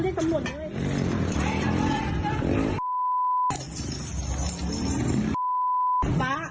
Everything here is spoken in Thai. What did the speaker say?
กลับโทรศัพท์ที่สำรวจด้วย